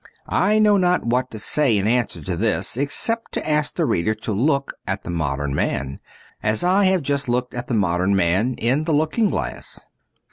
I know not what to say in answer to this, except to ask the reader to look at the modern man, as I have just looked at the modern man — in the looking glass.